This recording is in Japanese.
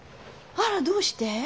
あらどうして？